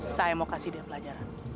saya mau kasih dia pelajaran